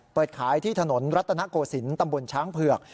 เปิดขายที่ถนนรัตนโกศิลป์ตำบลช้างเผือก